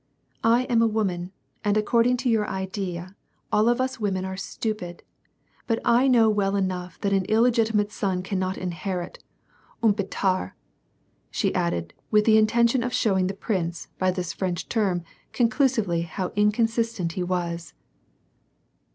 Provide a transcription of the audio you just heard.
" I am a woman, and according to your idea, all of us women are stupid, but I know well enough that an illegitimate son cannot inherit — un bdtardf" she added, with the intention of showing the prince, by this French term, conclusively how inconsistent he was.